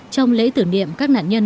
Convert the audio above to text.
trong lễ tưởng niệm các nạn nhân